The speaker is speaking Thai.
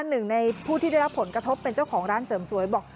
หนึ่งในผู้ที่ได้รับผลกระทบเป็นเจ้าของร้านเสริมสวยบอก